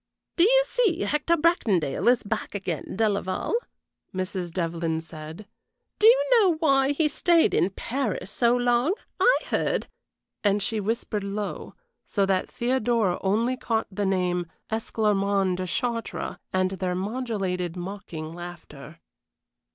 "Do you see Hector Bracondale is back again, Delaval?" Mrs. Devlyn said. "Do you know why he stayed in Paris so long? I heard " And she whispered low, so that Theodora only caught the name "Esclarmonde de Chartres" and their modulated mocking laughter.